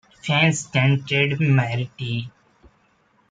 Fans chanted Mar-ty!